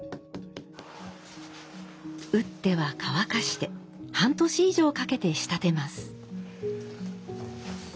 打っては乾かして半年以上かけて仕立てます。